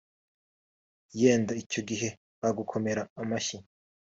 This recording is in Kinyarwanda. yenda icyo gihe bagukomera amashyi